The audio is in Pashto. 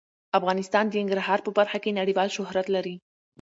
افغانستان د ننګرهار په برخه کې نړیوال شهرت لري.